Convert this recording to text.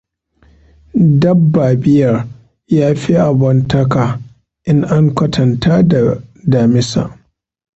Dabba bear ya fi abontaka in an kwantanta da damisa.